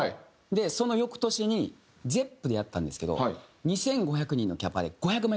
でその翌年にＺｅｐｐでやったんですけど２５００人のキャパで５００枚